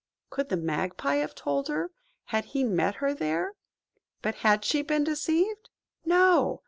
Could the Magpie have told her, had he met her there? But had she been deceived? No!